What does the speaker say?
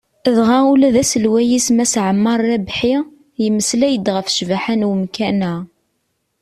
Dɣa ula d aselway-is Mass Ɛemmar Rabḥi, yemmeslay-d ɣef ccbaḥa n umkan-a.